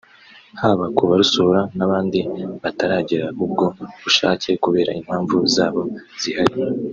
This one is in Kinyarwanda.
haba ku barusura n’abandi bataragira ubwo bushake kubera impamvu zabo zihariye